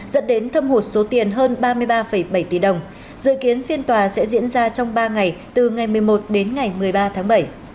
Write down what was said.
dẫn đến thâm hụt số tiền hơn ba mươi ba bảy tỷ đồng dự kiến phiên tòa sẽ diễn ra trong ba ngày từ ngày một mươi một đến ngày một mươi ba tháng bảy